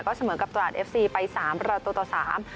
ก็เสมอกับตราดเอฟซีไปสามประตูต่อสาม